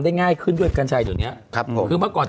ได้ง่ายขึ้นด้วยกันชัยเดี๋ยว